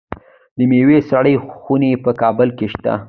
د میوو سړې خونې په کابل کې شته.